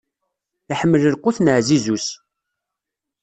Iḥemmel lqut n ɛzizu-s.